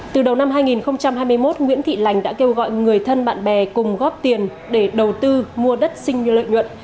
từ đầu năm hai nghìn hai mươi một nguyễn thị lành đã kêu gọi người thân bạn bè cùng góp tiền để đầu tư mua đất sinh như lợi nhuận